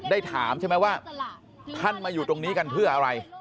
ได้ถามใช่ไหมว่าท่านมาอยู่ตรงนี้กันเพื่ออะไร